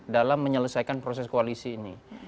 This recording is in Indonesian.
dalam menyelesaikan proses koalisi ini